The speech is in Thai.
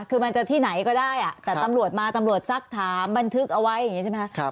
คือมันจะที่ไหนก็ได้แต่ตำรวจมาตำรวจซักถามบันทึกเอาไว้อย่างนี้ใช่ไหมคะ